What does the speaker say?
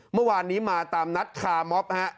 เมื่อวานนี้มาตามนัดคาม็อบฮะ